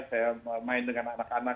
saya main dengan anak anak